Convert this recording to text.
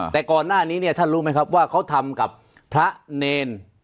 แต่ก่อนหน้านี้เนี่ยท่านรู้ไหมครับว่าเขาทำกับพระเนร